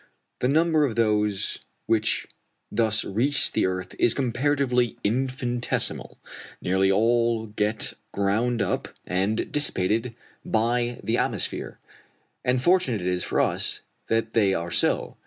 The number of those which thus reach the earth is comparatively infinitesimal. Nearly all get ground up and dissipated by the atmosphere; and fortunate it is for us that they are so.